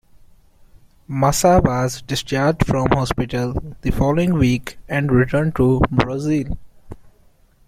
Massa was discharged from hospital the following week and returned to Brazil.